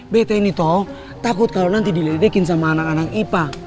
bt ini tol takut kalau nanti diledekin sama anak anak ipa